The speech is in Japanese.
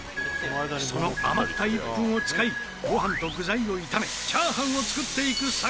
その余った１分を使いご飯と具材を炒めチャーハンを作っていく作戦を決行！